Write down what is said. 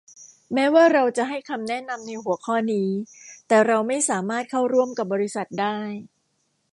แม้ว่าเราจะให้คำแนะนำในหัวข้อนี้ แต่เราไม่สามารถเข้าร่วมกับบริษัทได้